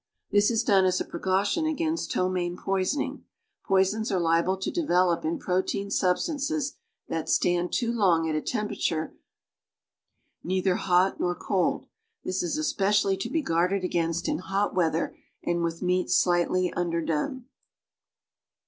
This IS done as a precaution against ptomaine poisoning. Poisons are liable to develop in j)rotein substances that stand too long at a temperature neither hot nor cold. I'his is es pecially to be giuirded against in hot weather and with meats slightly under done.